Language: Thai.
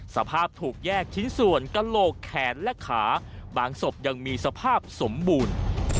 สภาพถูกแยกชิ้นส่วนกระโหลกแขนและขาบางศพยังมีสภาพสมบูรณ์